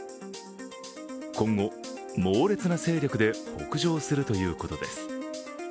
今後、猛烈な勢力で北上するということです。